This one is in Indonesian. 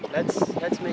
jangan banyak jangan banyak